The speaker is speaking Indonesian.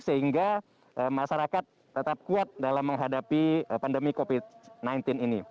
sehingga masyarakat tetap kuat dalam menghadapi pandemi covid sembilan belas ini